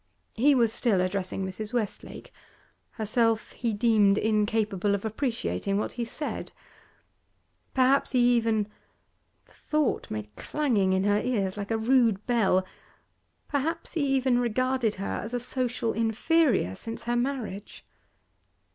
He was still addressing Mrs. Westlake; herself he deemed incapable of appreciating what he said. Perhaps he even the thought made clanging in her ears, like a rude bell perhaps he even regarded her as a social inferior since her marriage.